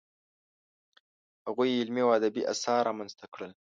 هغوی علمي او ادبي اثار رامنځته کړل.